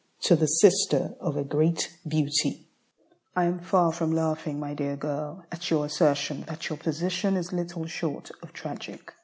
To the Sister of a Great Beauty I am far from laughing, my dear girl, at your assertion that your position is little short of tragic.